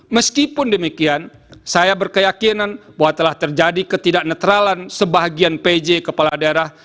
meskipun demikian saya berkeyakinan bahwa telah terjadi ketidak netralan sebagian pj kepala daerah